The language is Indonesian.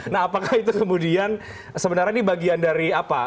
nah apakah itu kemudian sebenarnya ini bagian dari apa